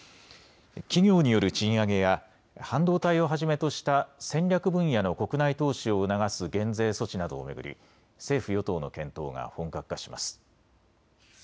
企業による賃上げや半導体をはじめとした戦略分野の国内投資を促す減税措置などを巡り政府与党の検討が本格化します。